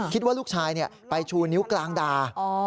คิดว่าลูกชายไปชูนิ้วกลางด่า